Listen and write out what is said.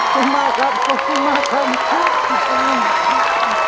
ขอบคุณมากครับขอบคุณมากครับ